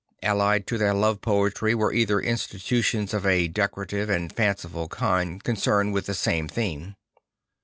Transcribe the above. Allied to their love poetry were other institutions of a decorative and fanciful kind concerned with th same theme.